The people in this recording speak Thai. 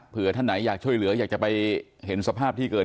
เพื่อท่านไหนอยากช่วยเหลืออยากจะไปเห็นสภาพที่เกิด